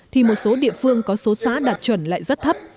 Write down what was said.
thì một số địa phương có số xã đạt chuẩn lại rất thấp